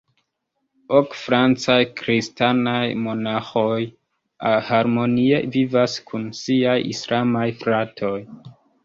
Ok francaj kristanaj monaĥoj harmonie vivas kun siaj islamaj fratoj.